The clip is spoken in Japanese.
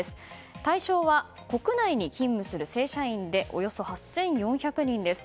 対象は国内に勤務する正社員でおよそ８４００人です。